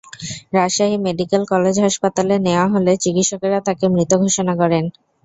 Rajshahi medical college হাসপাতালে নেওয়া হলে চিকিৎসকেরা তাঁকে মৃত ঘোষণা করেন।